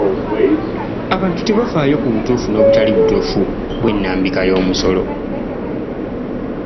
Abantu tebafaayo ku butuufu n'obutali butuufu bw'ennambika y'omusolo.